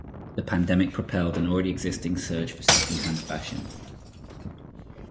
The pandemic propelled an already existing surge for secondhand fashion.